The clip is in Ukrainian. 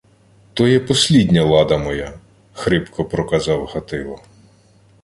— То є послідня лада моя, — хрипко проказав Гатило.